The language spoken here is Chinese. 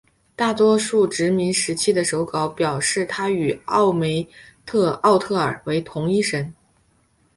大多数殖民时期的手稿表示她与奥梅特奥特尔为同一神。